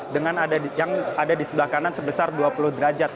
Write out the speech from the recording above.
dengan yang ada di sebelah kanan sebesar dua puluh derajat